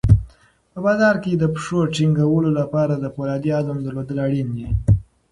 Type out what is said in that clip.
په بازار کې د پښو ټینګولو لپاره د فولادي عزم درلودل اړین دي.